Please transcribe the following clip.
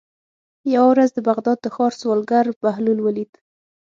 یوه ورځ د بغداد د ښار سوداګر بهلول ولید.